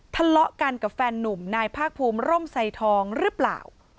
ทะเลาะกันกับแฟนนุ่มนายภาคภูมิร่มไซทองหรือเปล่า